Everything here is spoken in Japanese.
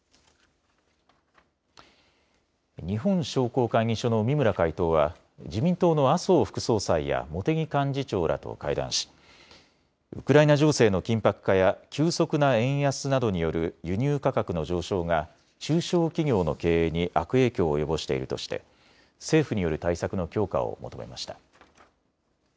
日本商工会議所の三村会頭は自民党の麻生副総裁や茂木幹事長らと会談しウクライナ情勢の緊迫化や急速な円安などによる輸入価格の上昇が中小企業の経営に悪影響を及ぼしているとして政府による対策の強化を求めました。